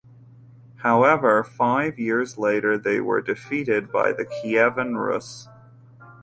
However five years later they were defeated by the Kievan Rus.